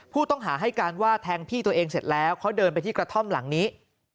ผู้ต้องหาให้การว่าแทงพี่ตัวเองเสร็จแล้วเขาเดินไปที่กระท่อมหลังนี้